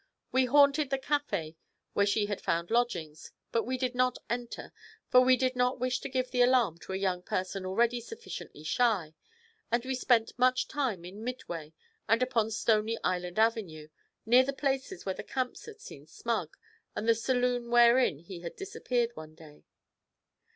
We haunted the café where she had found lodgings, but we did not enter, for we did not wish to give the alarm to a young person already sufficiently shy, and we spent much time in Midway and upon Stony Island Avenue, near the places where the Camps had seen Smug, and the saloon wherein he had disappeared one day.